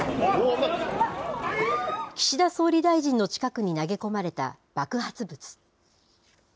岸田総理大臣の近くに投げ込まれた爆発物。